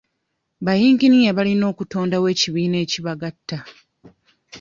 Bayinginiya balina okutondawo ekibiina ekibagatta.